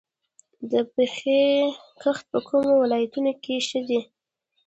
د پنبې کښت په کومو ولایتونو کې ښه دی؟